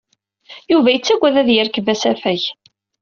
Yuba yettagad ad yerkeb asafag.